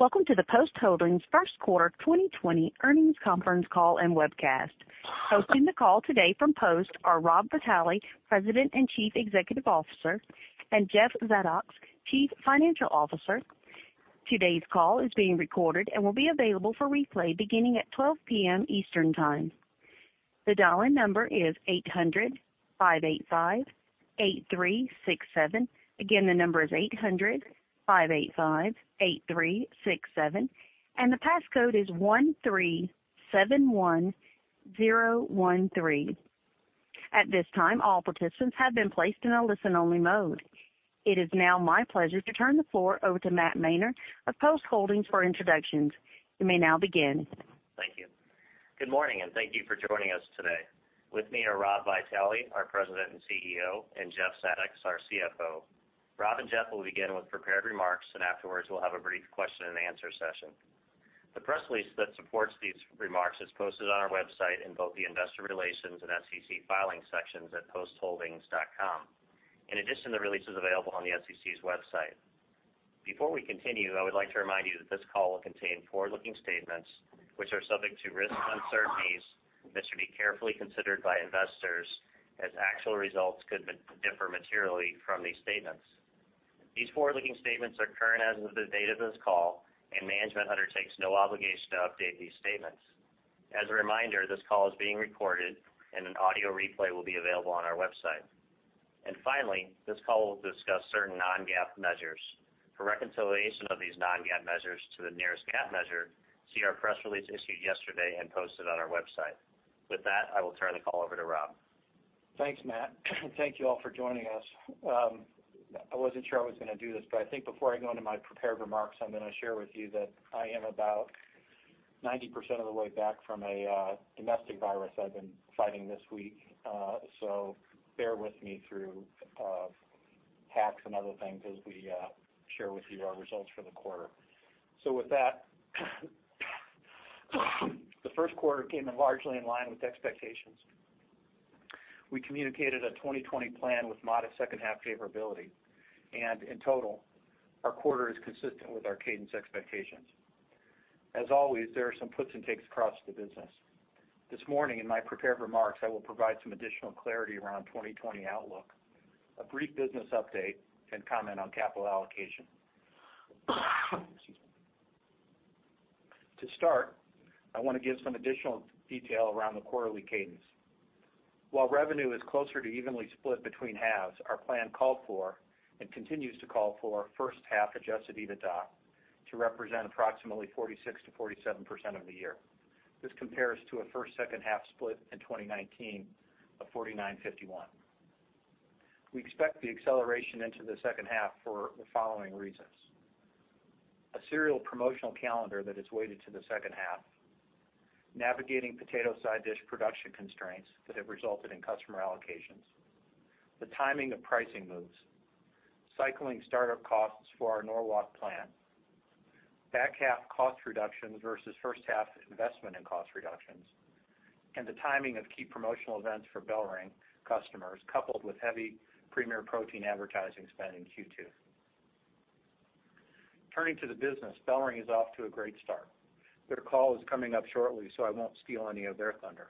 Welcome to the Post Holdings first quarter 2020 earnings conference call and webcast. Hosting the call today from Post are Rob Vitale, President and Chief Executive Officer, and Jeff Zadoks, Chief Financial Officer. Today's call is being recorded and will be available for replay beginning at 12:00 P.M. Eastern Time. The dial-in number is 800-585-8367. Again, the number is 800-585-8367, and the passcode is 1371013. At this time, all participants have been placed in a listen-only mode. It is now my pleasure to turn the floor over to Matt Mainer of Post Holdings for introductions. You may now begin. Thank you. Good morning, and thank you for joining us today. With me are Rob Vitale, our President and CEO, and Jeff Zadoks, our CFO. Rob and Jeff will begin with prepared remarks, and afterwards, we'll have a brief question-and-answer session. The press release that supports these remarks is posted on our website in both the investor relations and SEC filings sections at postholdings.com. In addition, the release is available on the SEC's website. Before we continue, I would like to remind you that this call will contain forward-looking statements, which are subject to risks and uncertainties that should be carefully considered by investors, as actual results could differ materially from these statements. These forward-looking statements are current as of the date of this call, and management undertakes no obligation to update these statements. As a reminder, this call is being recorded, and an audio replay will be available on our website. Finally, this call will discuss certain non-GAAP measures. For reconciliation of these non-GAAP measures to the nearest GAAP measure, see our press release issued yesterday and posted on our website. With that, I will turn the call over to Rob. Thanks, Matt. Thank you all for joining us. I wasn't sure I was going to do this. I think before I go into my prepared remarks, I'm going to share with you that I am about 90% of the way back from a domestic virus I've been fighting this week. Bear with me through hacks and other things as we share with you our results for the quarter. With that, the first quarter came in largely in line with expectations. We communicated a 2020 plan with modest second-half favorability; in total, our quarter is consistent with our cadence expectations. As always, there are some puts and takes across the business. This morning, in my prepared remarks, I will provide some additional clarity around the 2020 outlook, a brief business update, and comment on capital allocation. Excuse me. To start, I want to give some additional details around the quarterly cadence. While revenue is closer to evenly split between halves, our plan called for, and continues to call for, first-half adjusted EBITDA to represent approximately 46%-47% of the year. This compares to a first/second half split in 2019 of 49/51. We expect the acceleration into the second half for the following reasons: a cereal promotional calendar that is weighted to the second half, navigating potato side dish production constraints that have resulted in customer allocations, the timing of pricing moves, cycling startup costs for our Norwalk plant, back half cost reductions versus first half investment in cost reductions, and the timing of key promotional events for BellRing customers, coupled with heavy Premier Protein advertising spend in Q2. Turning to the business, BellRing is off to a great start. Their call is coming up shortly. I won't steal any of their thunder.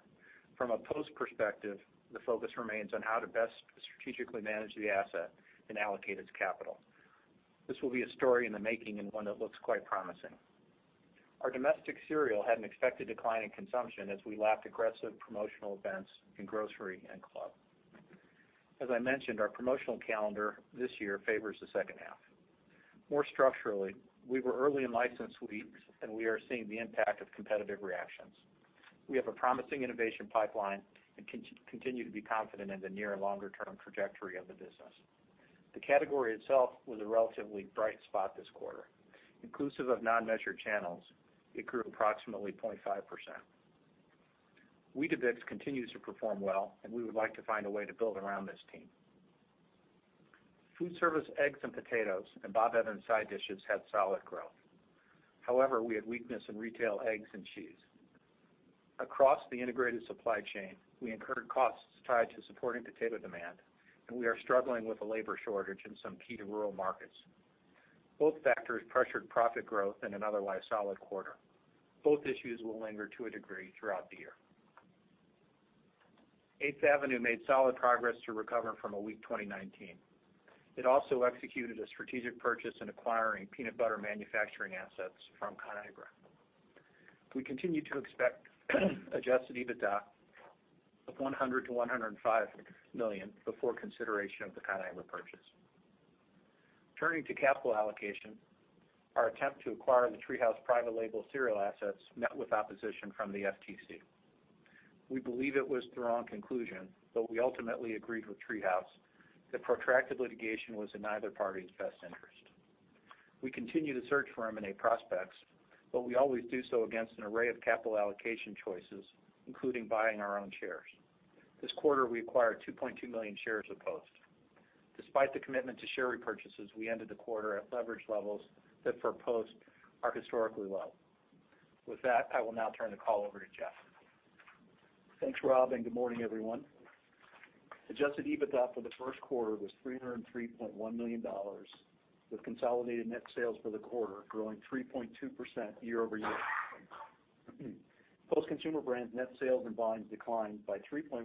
From a Post perspective, the focus remains on how to best strategically manage the asset and allocate its capital. This will be a story in the making and one that looks quite promising. Our domestic cereal had an expected decline in consumption as we lacked aggressive promotional events in grocery and club. As I mentioned, our promotional calendar this year favors the second half. More structurally, we were early in licensed sweets, and we are seeing the impact of competitive reactions. We have a promising innovation pipeline and continue to be confident in the near and longer-term trajectory of the business. The category itself was a relatively bright spot this quarter. Inclusive of non-measured channels, it grew approximately 0.5%. Weetabix continues to perform well, and we would like to find a way to build around this team. Foodservice eggs, potatoes, and Bob Evans side dishes had solid growth. However, we had a weakness in retail eggs and cheese. Across the integrated supply chain, we incurred costs tied to supporting potato demand, and we are struggling with a labor shortage in some key rural markets. Both factors pressured profit growth in an otherwise solid quarter. Both issues will linger to a degree throughout the year. 8th Avenue made solid progress to recover from a weak 2019. It also executed a strategic purchase in acquiring peanut butter manufacturing assets from Conagra. We continue to expect adjusted EBITDA of $100 million-$105 million before consideration of the Conagra purchase. Turning to capital allocation, our attempt to acquire the TreeHouse private-label cereal assets met with opposition from the FTC. We believe it was the wrong conclusion, but we ultimately agreed with TreeHouse that protracted litigation was in neither party's best interest. We continue to search for M&A prospects, but we always do so against an array of capital allocation choices, including buying our own shares. This quarter, we acquired 2.2 million shares of Post. Despite the commitment to share repurchases, we ended the quarter at leverage levels that for Post, are historically low. With that, I will now turn the call over to Jeff. Thanks, Rob, and good morning, everyone. Adjusted EBITDA for the first quarter was $303.1 million, with consolidated net sales for the quarter growing 3.2% year-over-year. Post Consumer Brands' net sales and volumes declined by 3.1%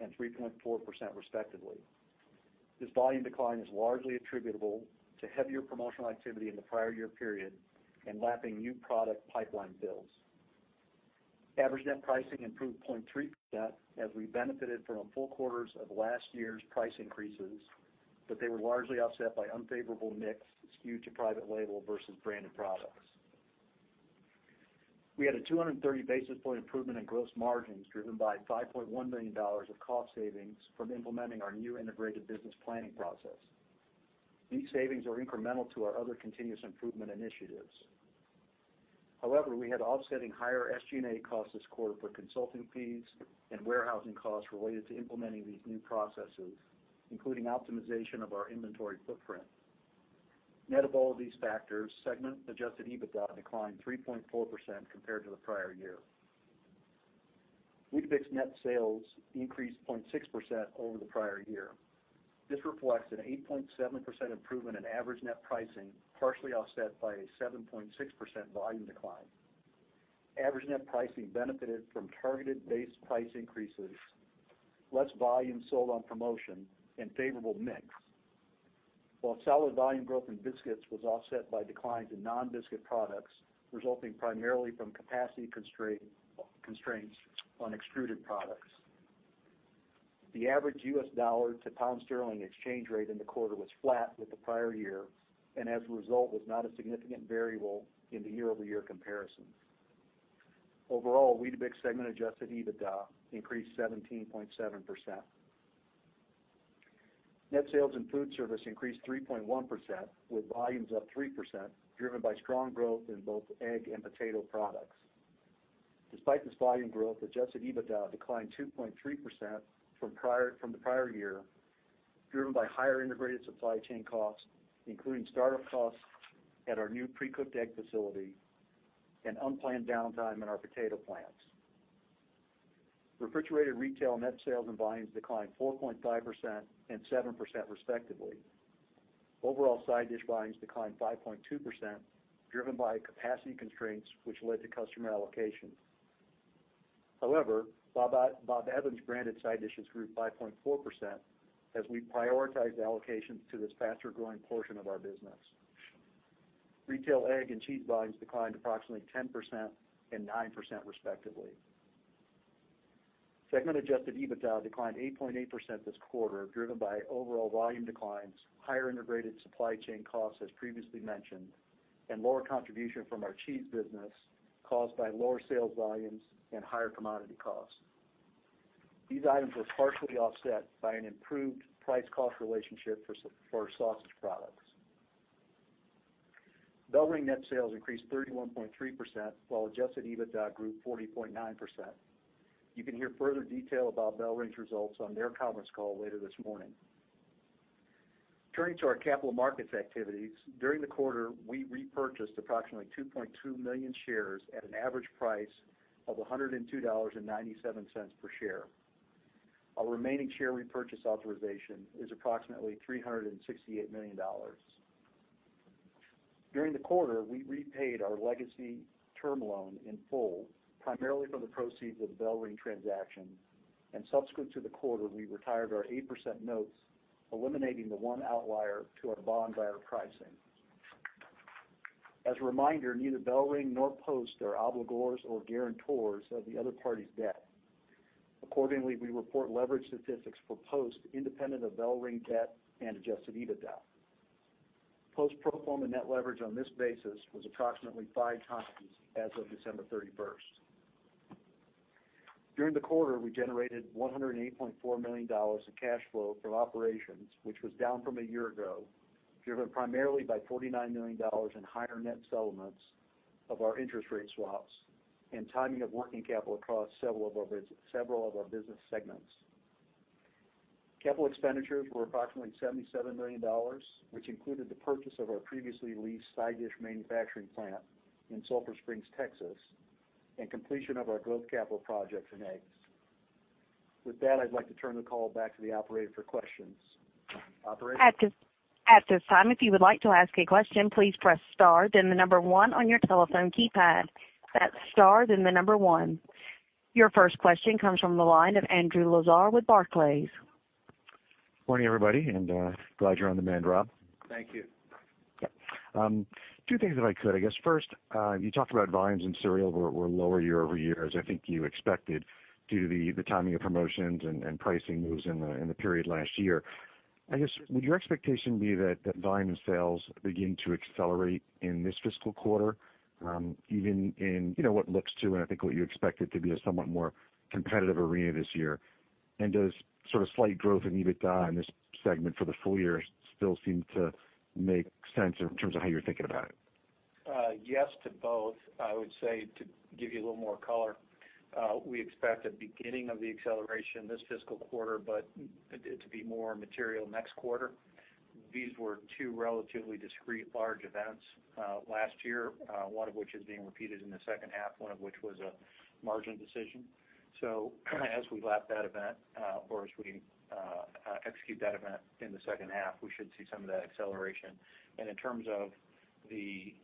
and 3.4%, respectively. This volume decline is largely attributable to heavier promotional activity in the prior year period, and lapping new product pipeline builds. Average net pricing improved 0.3% as we benefited from a full quarter of last year's price increases. They were largely offset by an unfavorable mix skewed to private label versus branded products. We had a 230 basis point improvement in gross margins, driven by $5.1 million of cost savings from implementing our new integrated business planning process. These savings are incremental to our other continuous improvement initiatives. We had offsetting higher SG&A costs this quarter for consulting fees and warehousing costs related to implementing these new processes, including optimization of our inventory footprint. Net of all of these factors, segment adjusted EBITDA declined 3.4% compared to the prior year. Weetabix net sales increased 0.6% over the prior year. This reflects an 8.7% improvement in average net pricing, partially offset by a 7.6% volume decline. Average net pricing benefited from targeted base price increases, less volume sold on promotion, and a favorable mix. While solid volume growth in biscuits was offset by declines in non-biscuit products, resulting primarily from capacity constraints on extruded products. The average U.S. dollar to pounds sterling exchange rate in the quarter was flat with the prior year, and as a result, was not a significant variable in the year-over-year comparison. Overall, the Weetabix segment adjusted EBITDA increased 17.7%. Net sales in Foodservice increased 3.1%, with volumes up 3%, driven by strong growth in both egg and potato products. Despite this volume growth, adjusted EBITDA declined 2.3% from the prior year, driven by higher integrated supply chain costs, including startup costs at our new pre-cooked egg facility and unplanned downtime in our potato plants. Refrigerated Retail net sales and volumes declined 4.5% and 7%, respectively. Overall side dish volumes declined 5.2%, driven by capacity constraints, which led to customer allocation. Bob Evans- branded side dishes grew 5.4% as we prioritized allocations to this faster-growing portion of our business. Retail egg and cheese volumes declined approximately 10% and 9%, respectively. Segment adjusted EBITDA declined 8.8% this quarter, driven by overall volume declines, higher integrated supply chain costs as previously mentioned, and lower contribution from our cheese business caused by lower sales volumes and higher commodity costs. These items were partially offset by an improved price-cost relationship for sausage products. BellRing net sales increased 31.3%, while adjusted EBITDA grew 40.9%. You can hear further details about BellRing's results on their conference call later this morning. Turning to our capital markets activities, during the quarter, we repurchased approximately 2.2 million shares at an average price of $102.97 per share. Our remaining share repurchase authorization is approximately $368 million. During the quarter, we repaid our legacy term loan in full, primarily from the proceeds of the BellRing transaction, and subsequent to the quarter, we retired our 8% notes, eliminating the one outlier to our bond buyer pricing. As a reminder, neither BellRing nor Post are obligors or guarantor of the other party's debt. Accordingly, we report leverage statistics for Post independent of BellRing debt and adjusted EBITDA. Post pro forma net leverage on this basis was approximately 5x as of December 31st. During the quarter, we generated $108.4 million in cash flow from operations, which was down from a year ago, driven primarily by $49 million in higher net settlements of our interest rate swaps and timing of working capital across several of our business segments. Capital expenditures were approximately $77 million, which included the purchase of our previously leased side-dish manufacturing plant in Sulphur Springs, Texas, and the completion of our growth capital projects in eggs. With that, I'd like to turn the call back to the operator for questions. Operator? At this time, if you would like to ask a question, please press star then the number one on your telephone keypad. That's star, then the number one. Your first question comes from the line of Andrew Lazar with Barclays. Morning, everybody, glad you're on demand, Rob. Thank you. Yep. Two things, if I could. I guess first, you talked about volumes in cereal were lower year-over-year, as I think you expected, due to the timing of promotions and pricing moves in the period last year. I guess, would your expectation be that volume sales begin to accelerate in this fiscal quarter, even in what looks to, and I think what you expect it to be, a somewhat more competitive arena this year? Does the sort of slight growth in EBITDA in this segment for the full year still seem to make sense in terms of how you're thinking about it? Yes to both. I would say to give you a little more color, we expect the beginning of the acceleration this fiscal quarter, but it to be more material next quarter. These were two relatively discrete large events last year, one of which is being repeated in the second half, one of which was a margin decision. As we lap that event, or as we execute that event in the second half, we should see some of that acceleration. In terms of the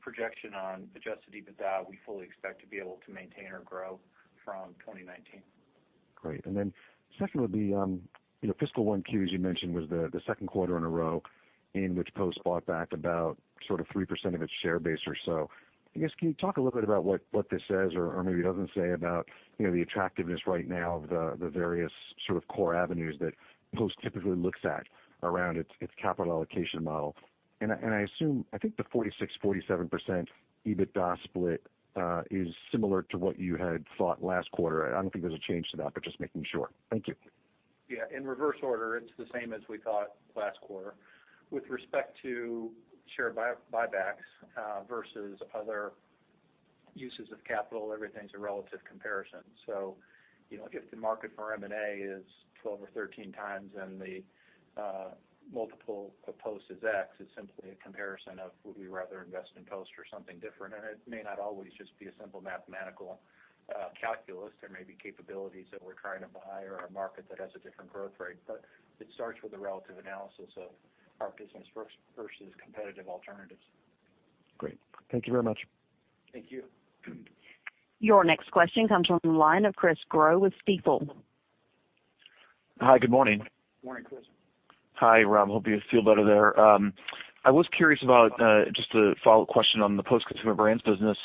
projection on adjusted EBITDA, we fully expect to be able to maintain or grow from 2019. Great. Secondly, fiscal 1Q, as you mentioned, was the second quarter in a row in which Post bought back about 3% of its share base or so. I guess, can you talk a little bit about what this says, or maybe doesn't say, about the attractiveness right now of the various core avenues that Post typically looks at around its capital allocation model? I assume, I think the 46%, 47% EBITDA split is similar to what you had thought last quarter. I don't think there's a change to that, but just making sure. Thank you. Yeah. In reverse order, it's the same as we thought last quarter. With respect to share buybacks versus other uses of capital, everything's a relative comparison. If the market for M&A is 12x or 13x and the multiple of Post is X, it's simply a comparison of would we rather invest in Post or something different. It may not always just be a simple mathematical calculus. There may be capabilities that we're trying to buy or a market that has a different growth rate. It starts with a relative analysis of our business versus competitive alternatives. Great. Thank you very much. Thank you. Your next question comes from the line of Chris Growe with Stifel. Hi, good morning. Morning, Chris. Hi, Rob. Hope you feel better there. I was curious about just a follow-up question on the Post Consumer Brands business.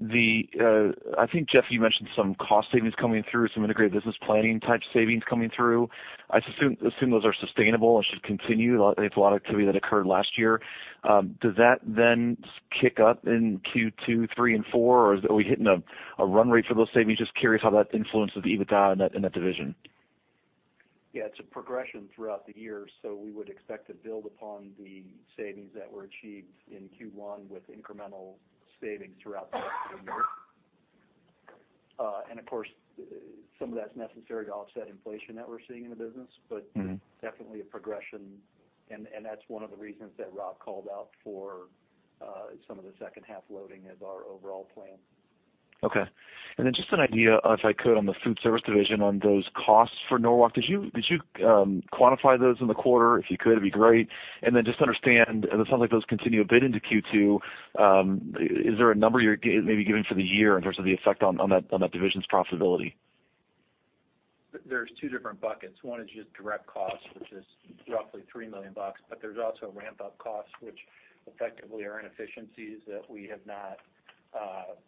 I think, Jeff, you mentioned some cost savings coming through, some integrated business planning-type savings coming through. I assume those are sustainable and should continue. I think it's a lot of activity that occurred last year. Does that then kick up in Q2, three, and four, or are we hitting a run rate for those savings? Just curious how that influences EBITDA in that division. Yeah, it's a progression throughout the year. We would expect to build upon the savings that were achieved in Q1 with incremental savings throughout the rest of the year. Of course, some of that's necessary to offset inflation that we're seeing in the business. Definitely a progression. That's one of the reasons that Rob called out for some of the second-half loading as our overall plan. Just an idea, if I could, on the Foodservice division on those costs for Norwalk. Did you quantify those in the quarter? If you could, it'd be great. Just to understand, it sounds like those continue a bit into Q2. Is there a number you're maybe giving for the year in terms of the effect on that division's profitability? There's two different buckets. One is just direct costs, which is roughly $3 million, but there's also ramp-up costs, which effectively are inefficiencies that we have not tracked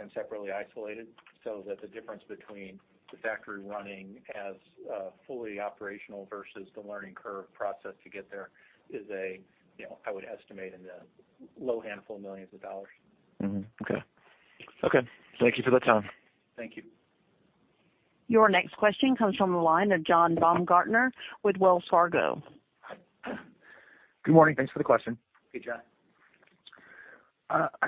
and separately isolated, so that the difference between the factory running as fully operational versus the learning curve process to get there is, I would estimate, in the low handful of millions of dollars. Mm-hmm. Okay. Thank you for your time. Thank you. Your next question comes from the line of John Baumgartner with Wells Fargo. Good morning. Thanks for the question. Hey, John.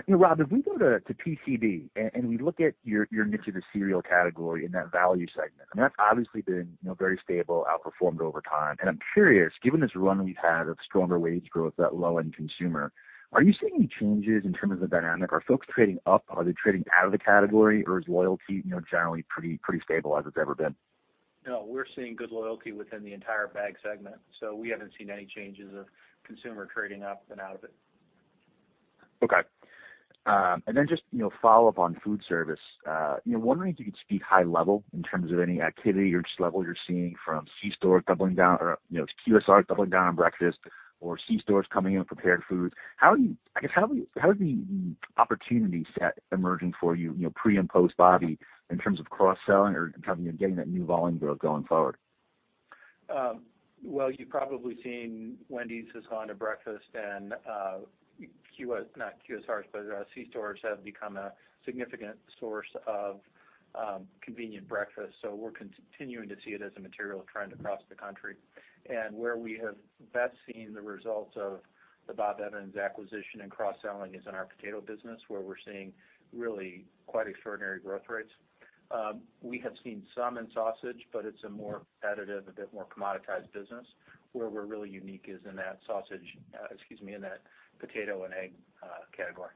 Rob, if we go to PCB and we look at your niche of the cereal category in that value segment, that's obviously been very stable, outperformed over time. I'm curious, given this run we've had of stronger wage growth, that low-end consumer, are you seeing any changes in terms of the dynamic? Are folks trading up? Are they trading out of the category, or is loyalty generally pretty stable as it's ever been? No, we're seeing good loyalty within the entire bag segment, so we haven't seen any changes of consumer trading up and out of it. Okay. Just follow up on Foodservice. Wondering if you could speak high-level in terms of any activity or just the level you're seeing from QSR doubling down on breakfast or C-stores coming in with prepared foods? I guess, how is the opportunity set emerging for you, pre- and post-Bobby, in terms of cross-selling or in terms of getting that new volume growth going forward? Well, you've probably seen Wendy's has gone to breakfast, and C-stores have become a significant source of convenient breakfast. We're continuing to see it as a material trend across the country. Where we have best seen the results of the Bob Evans acquisition and cross-selling is in our potato business, where we're seeing really quite extraordinary growth rates. We have seen some in sausage, but it's a more competitive, a bit more commoditized business. Where we're really unique is in that potato and egg category.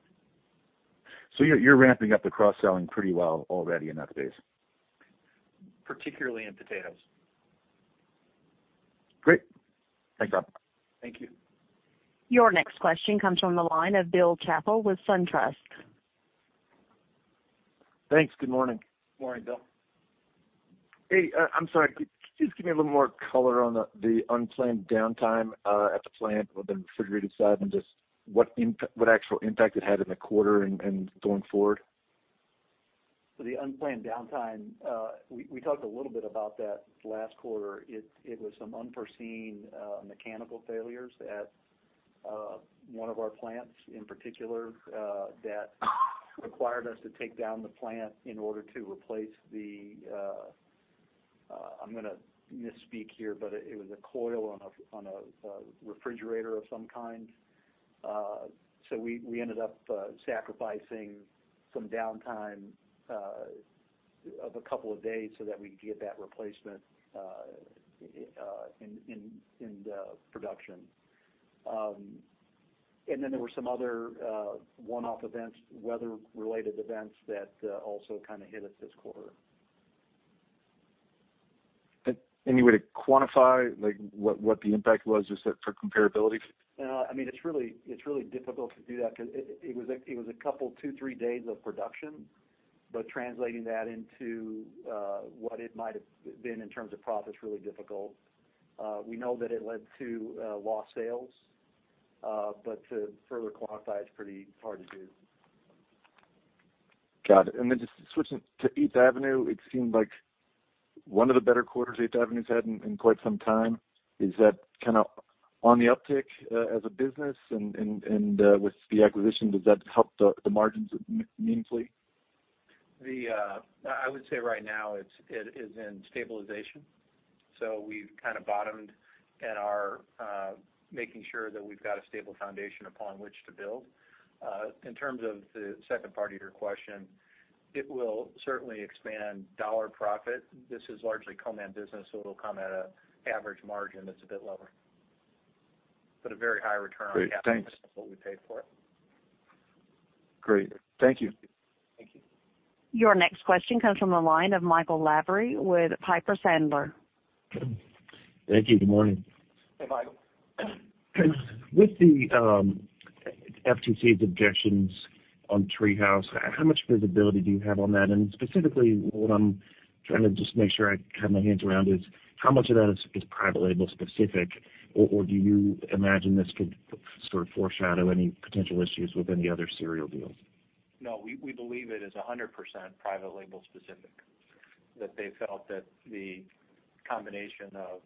You're ramping up the cross-selling pretty well already in that base? Particularly in potatoes. Great. Thanks, Rob. Thank you. Your next question comes from the line of Bill Chappell with SunTrust. Thanks. Good morning. Morning, Bill. Hey, I'm sorry, could you just give me a little more color on the unplanned downtime at the plant on the refrigerated side, and just what actual impact it had in the quarter and going forward? We talked a little bit about the unplanned downtime last quarter. It was some unforeseen mechanical failures at one of our plants in particular that required us to take down the plant in order to replace the, I'm going to misspeak here, but it was a coil on a refrigerator of some kind. We ended up sacrificing some downtime of a couple of days so that we could get that replacement in production. Then there were some other one-off events, weather-related events that also hit us this quarter. Any way to quantify what the impact was just for comparability? No, it's really difficult to do that because it was a couple, two, three days of production, but translating that into what it might have been in terms of profit is really difficult. We know that it led to lost sales, but to further quantify it is pretty hard to do. Got it. Then, just switching to 8th Avenue, it seemed like one of the better quarters 8th Avenue's had in quite some time. Is that on the uptick as a business, and with the acquisition, does that help the margins meaningfully? I would say right now it is in stabilization. We've bottomed and are making sure that we've got a stable foundation upon which to build. In terms of the second part of your question, it will certainly expand the dollar profit. This is largely a co-man business, so it'll come at an average margin that's a bit lower, but a very high return on capital. Great, thanks. Based on what we paid for it. Great. Thank you. Thank you. Your next question comes from the line of Michael Lavery with Piper Sandler. Thank you. Good morning. Hey, Michael. With the FTC's objections on TreeHouse, how much visibility do you have on that? Specifically, what I'm trying to just make sure I have my hands around is how much of that is private-label-specific, or do you imagine this could foreshadow any potential issues with any other cereal deals? No, we believe it is 100% private-label-specific. That they felt that the combination of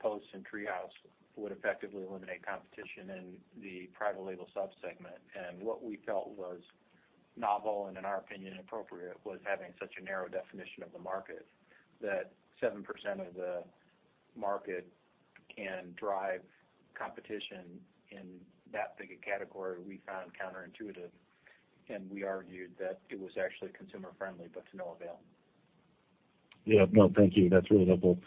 Post and TreeHouse would effectively eliminate competition in the private-label sub-segment. What we felt was novel and, in our opinion, inappropriate was having such a narrow definition of the market. That 7% of the market can drive competition in that big a category, we found counterintuitive, and we argued that it was actually consumer-friendly, but to no avail. Yeah. No, thank you. That's really helpful.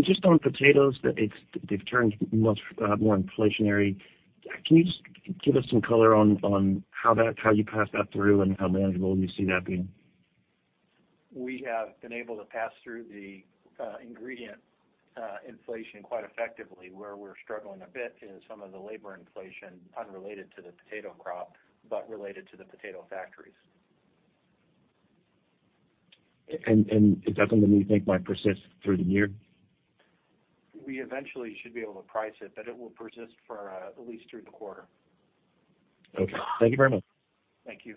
Just on potatoes, they've turned much more inflationary. Can you just give us some color on how you pass that through and how manageable you see that being? We have been able to pass through the ingredient inflation quite effectively. Where we're struggling a bit is some of the labor inflation unrelated to the potato crop, but related to the potato factories. Is that something that you think might persist through the year? We eventually should be able to price it, but it will persist for at least through the quarter. Okay. Thank you very much. Thank you.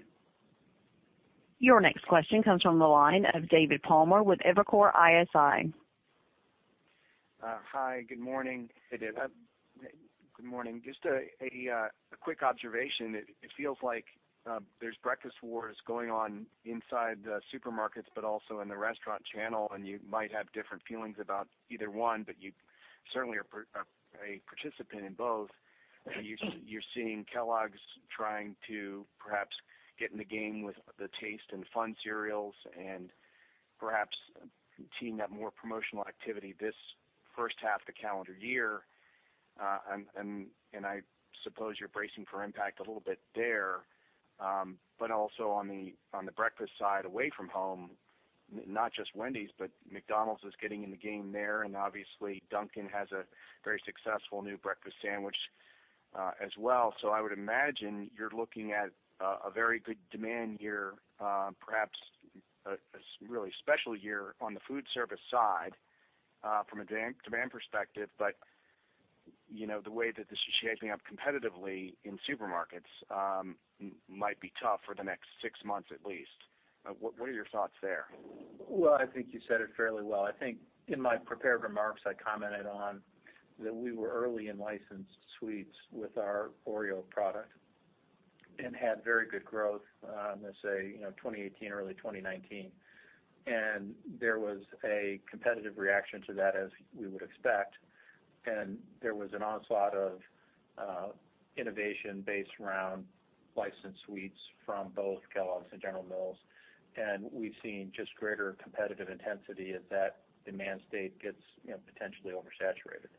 Your next question comes from the line of David Palmer with Evercore ISI. Hi, good morning. Hey, David. Good morning. Just a quick observation. It feels like there's breakfast wars going on inside the supermarkets, but also in the restaurant channel, and you might have different feelings about either one, but you certainly are a participant in both. You're seeing Kellogg's trying to perhaps get in the game with the taste-and-fun cereals and perhaps teeing up more promotional activity this first half of the calendar year. I suppose you're bracing for impact a little bit there. Also on the breakfast side, away from home, not just Wendy's, but McDonald's is getting in the game there. Obviously, Dunkin' has a very successful new breakfast sandwich as well. I would imagine you're looking at a very good demand year, perhaps a really special year on the Foodservice side from a demand perspective, but the way that this is shaping up competitively in supermarkets might be tough for the next six months at least. What are your thoughts there? Well, I think you said it fairly well. I think in my prepared remarks, I commented on that we were early in licensed sweets with our OREO product and had very good growth in, let's say, 2018, early 2019. There was a competitive reaction to that, as we would expect. There was an onslaught of innovation based around licensed sweets from both Kellogg's and General Mills. We've seen just greater competitive intensity as that demand state gets potentially oversaturated.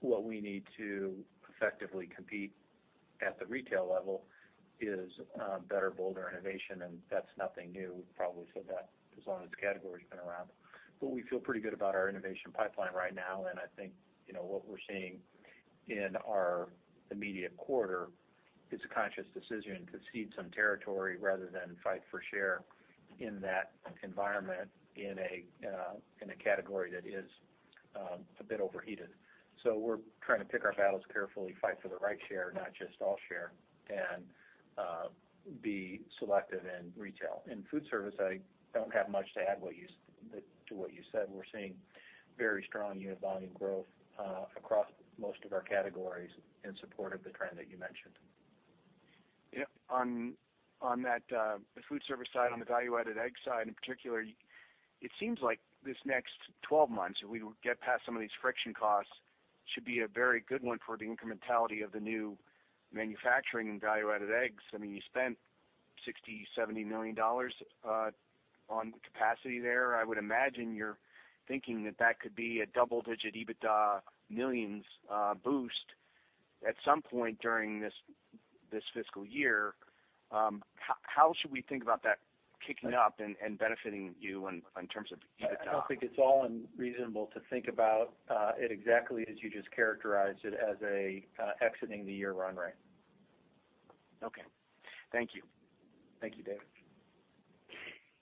What we need to effectively compete at the retail level is better, bolder innovation, and that's nothing new. Probably said that as long as the category's been around. We feel pretty good about our innovation pipeline right now, and I think what we're seeing in our immediate quarter is a conscious decision to cede some territory rather than fight for share in that environment in a category that is a bit overheated. We're trying to pick our battles carefully, fight for the right share, not just all share, and be selective in retail. In Foodservice, I don't have much to add to what you said. We're seeing very strong unit volume growth across most of our categories in support of the trend that you mentioned. On the Foodservice side, on the value-added egg side in particular, it seems like this next 12 months, if we get past some of these friction costs, should be a very good one for the incrementality of the new manufacturing and value-added eggs. You spent $60 million-$70 million on capacity there. I would imagine you're thinking that that could be a double-digit EBITDA millions boost at some point during this fiscal year. How should we think about that kicking up and benefiting you in terms of EBITDA? I don't think it's all unreasonable to think about it exactly as you just characterized it, as exiting the year run rate. Okay. Thank you. Thank you, David.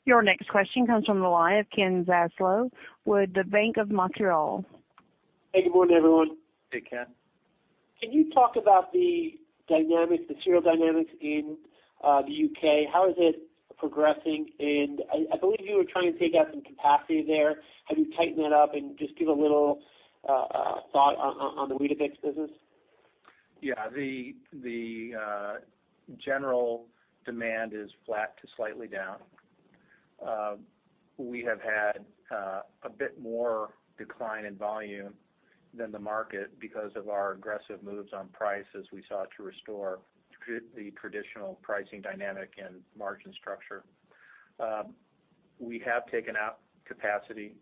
Your next question comes from the line of Ken Zaslow with the Bank of Montreal. Hey, good morning, everyone. Hey, Ken. Can you talk about the dynamics, the cereal dynamics in the U.K.? How is it progressing? I believe you were trying to take out some capacity there. Have you tightened that up? Just give a little thought on the Weetabix business. Yeah. The general demand is flat to slightly down. We have had a bit more decline in volume than the market because of our aggressive moves on price as we sought to restore the traditional pricing dynamic and margin structure. We have taken out the capacity.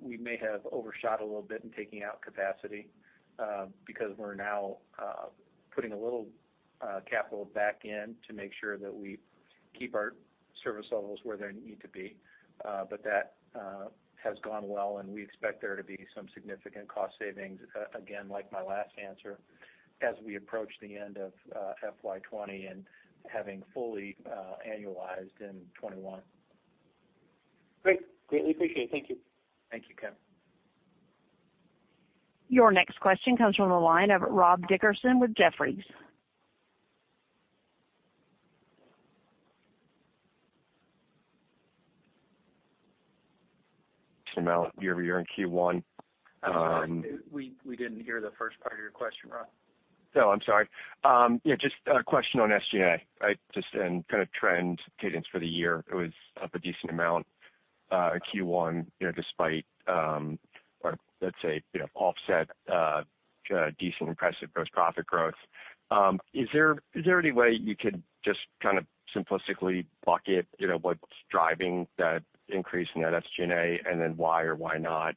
We may have overshot a little bit in taking out capacity, because we're now putting a little capital back in to make sure that we keep our service levels where they need to be. That has gone well, and we expect there to be some significant cost savings, again, like my last answer, as we approach the end of FY 2020 and having fully annualized in 2021. Great. Greatly appreciate it. Thank you. Thank you, Ken. Your next question comes from the line of Rob Dickerson with Jefferies. Amount year-over-year in Q1. We didn't hear the first part of your question, Rob. Oh, I'm sorry. Yeah, just a question on SG&A. Just in trend cadence for the year, it was up a decent amount in Q1, despite, or let's say, offset decent impressive gross profit growth. Is there any way you could just simplistically bucket what's driving that increase in that SG&A, and then why or why not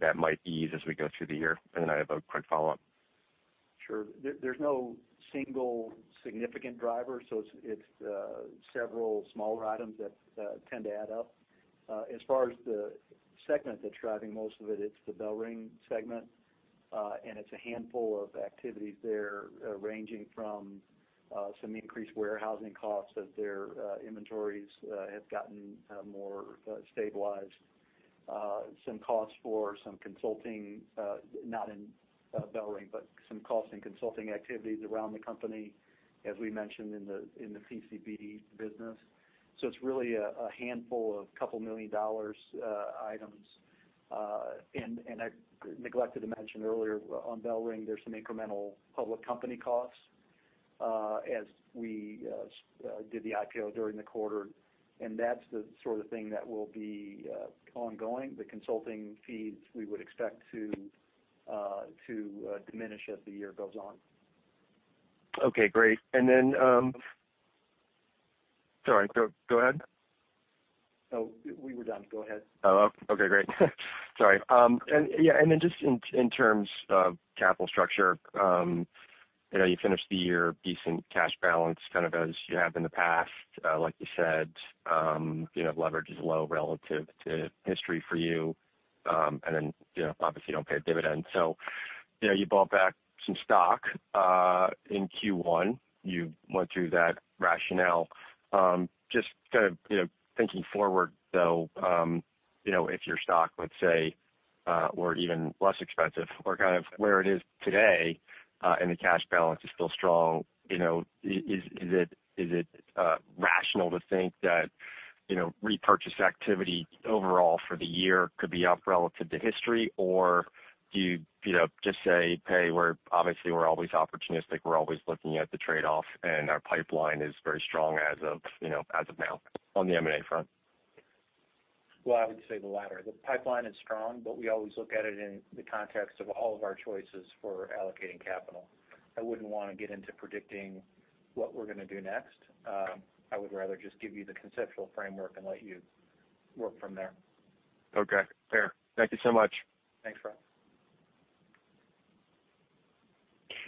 that might ease as we go through the year? I have a quick follow-up. Sure. There's no single significant driver, so it's several smaller items that tend to add up. As far as the segment that's driving most of it's the BellRing segment. It's a handful of activities there, ranging from some increased warehousing costs as their inventories have gotten more stabilized. Some costs for some consulting, not in BellRing, but some costs in consulting activities around the company, as we mentioned in the PCB business. It's really a handful of a couple of million-dollar items. I neglected to mention earlier, on BellRing, there's some incremental public company costs as we did the IPO during the quarter, and that's the sort of thing that will be ongoing. The consulting fees, we would expect to diminish as the year goes on. Okay, great. Sorry, go ahead. No, we were done. Go ahead. Oh, okay, great. Sorry. Just in terms of capital structure, you finished the year with a decent cash balance, as you have in the past. Like you said, leverage is low relative to history for you. Obviously, you don't pay a dividend. You bought back some stock in Q1. You went through that rationale. Just thinking forward, though, if your stock, let's say, were even less expensive or where it is today, and the cash balance is still strong, is it rational to think that repurchase activity overall for the year could be up relative to history? Or do you just say, "Hey, obviously we're always opportunistic, we're always looking at the trade-off, and our pipeline is very strong as of now on the M&A front? Well, I would say the latter. The pipeline is strong, but we always look at it in the context of all of our choices for allocating capital. I wouldn't want to get into predicting what we're going to do next. I would rather just give you the conceptual framework and let you work from there. Okay, fair. Thank you so much. Thanks, Rob.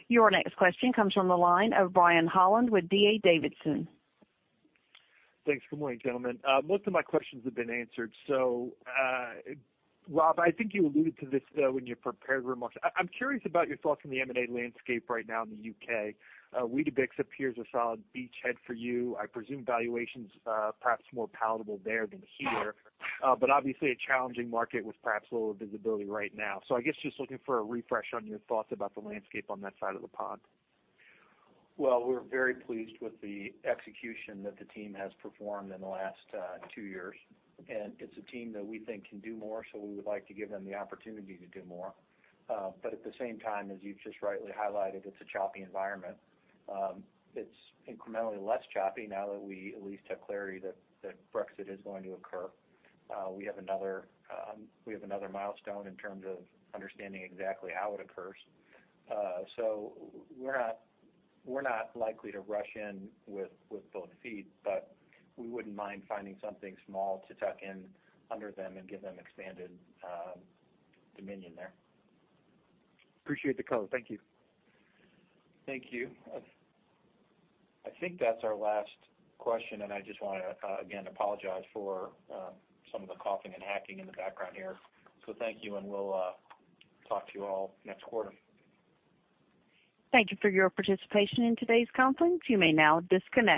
Your next question comes from the line of Brian Holland with D.A. Davidson. Thanks. Good morning, gentlemen. Most of my questions have been answered. Rob, I think you alluded to this, though, in your prepared remarks. I'm curious about your thoughts on the M&A landscape right now in the U.K. Weetabix appears a solid beachhead for you. I presume valuation's perhaps more palatable there than here. Obviously, a challenging market with perhaps a little visibility right now. I guess just looking for a refresh on your thoughts about the landscape on that side of the pond. Well, we're very pleased with the execution that the team has performed in the last two years, and it's a team that we think can do more, so we would like to give them the opportunity to do more. At the same time, as you've just rightly highlighted, it's a choppy environment. It's incrementally less choppy now that we at least have clarity that Brexit is going to occur. We have another milestone in terms of understanding exactly how it occurs. We're not likely to rush in with both feet, but we wouldn't mind finding something small to tuck in under them and give them expanded dominion there. Appreciate the color. Thank you. Thank you. I think that's our last question, and I just want to again apologize for some of the coughing and hacking in the background here. Thank you, and we'll talk to you all next quarter. Thank you for your participation in today's conference. You may now disconnect.